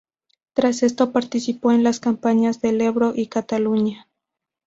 Tras esto participó en las campañas del Ebro y Cataluña.